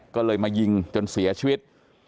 ก็เลยมายิงจนเสียชีวิต